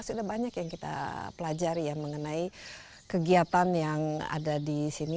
sudah banyak yang kita pelajari ya mengenai kegiatan yang ada di sini